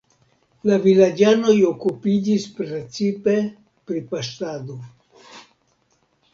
La vilaĝanoj okupiĝis precipe pri paŝtado.